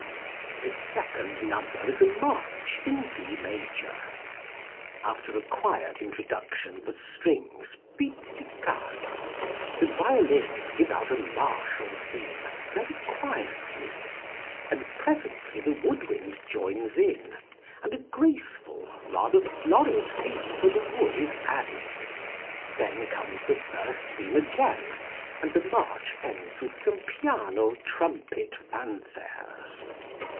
The second number is a march in D major. After a quiet introduction for strings pizzicato, the violins give out a martial theme very quietly, and presently the wood wind joins in, and a graceful, rather florid theme for the wood is added; then comes the first theme again, and the march ends with some piano trumpet fanfares.